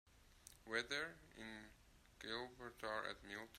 Weather in Gibraltar at meal time